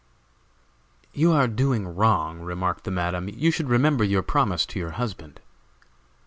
"You are doing wrong," remarked the Madam; "you should remember your promise to your husband."